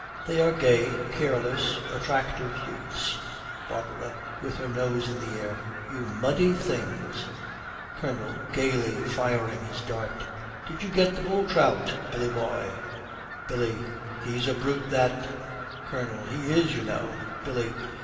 They are gay, careless, attractive youths. BARBARA, with her nose in the air, 'You muddy things!' COLONEL, gaily firing his dart, 'Did you get the bull trout, Billy boy?' BILLY. 'He's a brute that.' COLONEL. 'He is, you know.' BILLY.